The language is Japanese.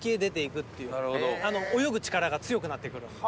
泳ぐ力が強くなって来るんで。